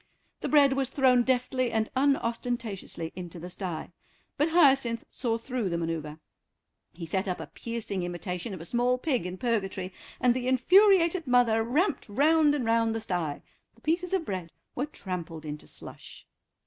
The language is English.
The bread was thrown deftly and unostentatiously into the stye, but Hyacinth saw through the manœuvre. He set up a piercing imitation of a small pig in Purgatory, and the infuriated mother ramped round and round the stye; the pieces of bread were trampled into slush.